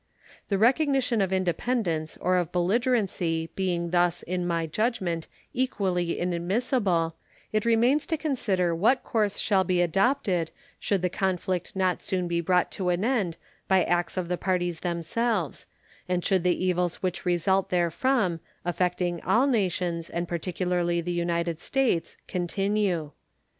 The recognition of independence or of belligerency being thus, in my judgment, equally inadmissible, it remains to consider what course shall be adopted should the conflict not soon be brought to an end by acts of the parties themselves, and should the evils which result therefrom, affecting all nations, and particularly the United States, continue.